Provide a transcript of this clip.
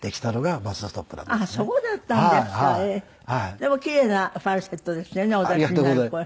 でも奇麗なファルセットですよねお出しになる声。